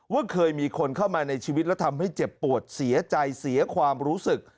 ว่าเคยมีคนเข้ามาในชีวิตแล้วทำให้เจ็บปวดเสียใจเสียความรู้สึก